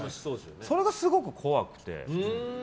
それがすごく怖くて。